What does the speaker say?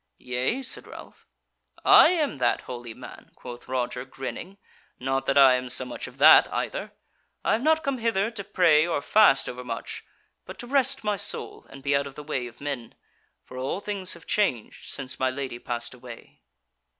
"Yea," said Ralph. "I am that holy man," quoth Roger, grinning; "not that I am so much of that, either. I have not come hither to pray or fast overmuch, but to rest my soul and be out of the way of men. For all things have changed since my Lady passed away."